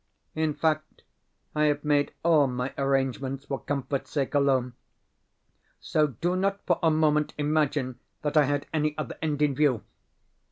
In fact, I have made all my arrangements for comfort's sake alone; so do not for a moment imagine that I had any other end in view.